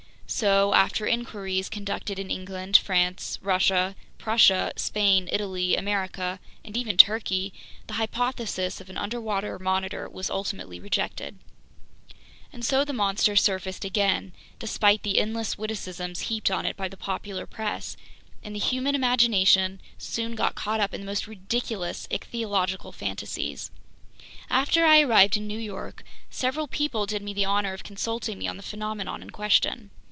So, after inquiries conducted in England, France, Russia, Prussia, Spain, Italy, America, and even Turkey, the hypothesis of an underwater Monitor was ultimately rejected. And so the monster surfaced again, despite the endless witticisms heaped on it by the popular press, and the human imagination soon got caught up in the most ridiculous ichthyological fantasies. After I arrived in New York, several people did me the honor of consulting me on the phenomenon in question.